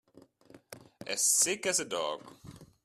As sick as a dog.